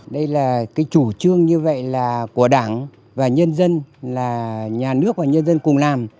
cái chủ trương như vậy là của đảng và nhân dân là nhà nước và nhân dân cùng làm